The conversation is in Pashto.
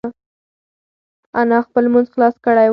انا خپل لمونځ خلاص کړی و.